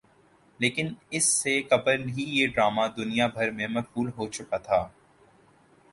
لیکن اس سے قبل ہی یہ ڈرامہ دنیا بھر میں مقبول ہوچکا تھا